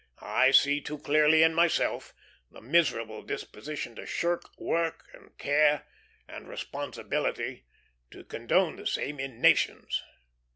I see too clearly in myself the miserable disposition to shirk work and care, and responsibility, to condone the same in nations.